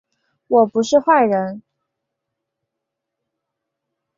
我不是坏人